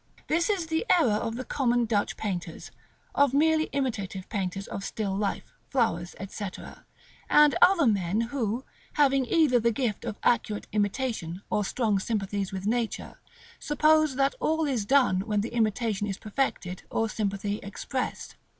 This is the error of the common Dutch painters, of merely imitative painters of still life, flowers, &c., and other men who, having either the gift of accurate imitation or strong sympathies with nature, suppose that all is done when the imitation is perfected or sympathy expressed.